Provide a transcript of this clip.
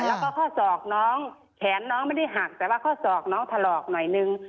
แล้วก็ข้อศอกน้องแขนน้องไม่ได้หักแต่ว่าข้อศอกน้องถลอกหน่อยนึง